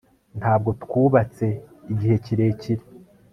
ntabwo twubatse igihe kirekire